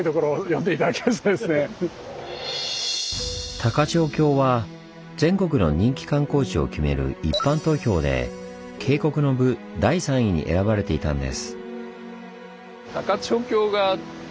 高千穂峡は全国の人気観光地を決める一般投票で渓谷の部第３位に選ばれていたんです。